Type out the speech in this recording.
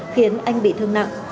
khiến anh bị thương nặng